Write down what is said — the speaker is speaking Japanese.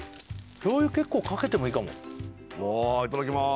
醤油結構かけてもいいかもわあいただきまー